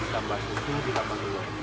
tambah susu tambah lor